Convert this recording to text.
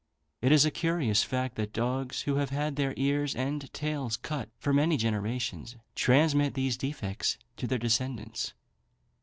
It is a curious fact, that dogs who have had their ears and tails cut for many generations, transmit these defects to their descendants.